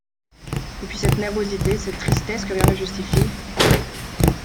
Et puis cette nervosité, cette tristesse que rien ne justifie ?